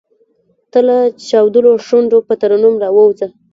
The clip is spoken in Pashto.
تۀ لۀ چاودلو شونډو پۀ ترنم راووځه !